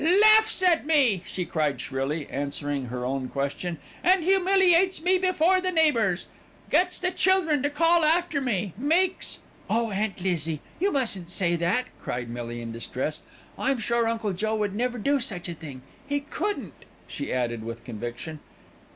"Laughs at me," she cried shrilly, answering her own question, "and humiliates me before the neighbours. Gets the children to call after me, makes " "Oh, Aunt Lizzie! You mustn't say that," cried Millie in distress. "I'm sure Uncle Joe would never do such a thing. He couldn't," she added with conviction.